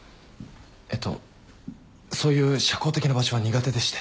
えっとそういう社交的な場所は苦手でして。